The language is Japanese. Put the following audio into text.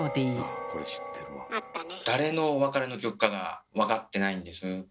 誰の「別れの曲」かがわかってないんです。